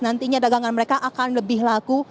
nantinya dagangan mereka akan lebih laku